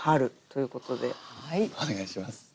お願いします。